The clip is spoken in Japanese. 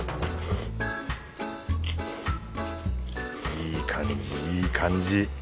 いい感じいい感じ。